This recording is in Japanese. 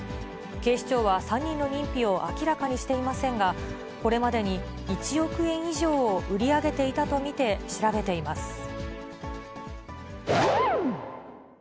警視庁は３人の認否を明らかにしていませんが、これまでに１億円以上を売り上げていたと見て調べています。